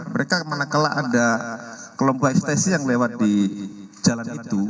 mereka kemana kelak ada kelompok ekspresi yang lewat di jalan itu